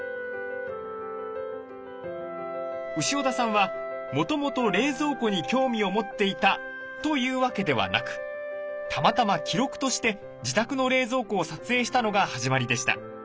潮田さんはもともと冷蔵庫に興味を持っていたというわけではなくたまたま記録として自宅の冷蔵庫を撮影したのが始まりでした。